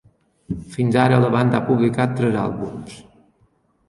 Fins ara, la banda ha publicat tres àlbums.